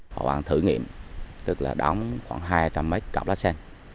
hội an thử nghiệm tức là đóng khoảng hai trăm linh mét cặp la sen